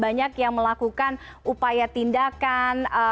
banyak yang melakukan upaya tindakan